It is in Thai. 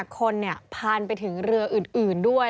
คนพานไปถึงเรืออื่นด้วย